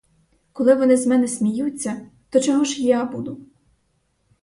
Коли вони з мене сміються, то чого ж я буду?